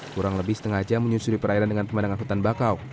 kurang lebih setengah jam menyusuri perairan dengan pemandangan hutan bakau